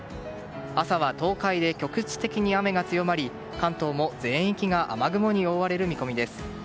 朝は東海で局地的に雨が強まり関東も全域が雨雲に覆われる見込みです。